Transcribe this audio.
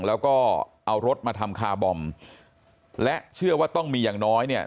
แล้วก็เอารถมาทำคาร์บอมและเชื่อว่าต้องมีอย่างน้อยเนี่ย